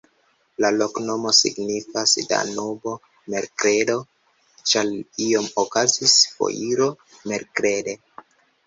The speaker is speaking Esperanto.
La loknomo signifas: Danubo-merkredo, ĉar iam okazis foiro merkrede.